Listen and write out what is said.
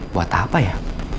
buat apa ya